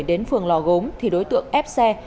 đến phường lò gốm thì đối tượng ép xe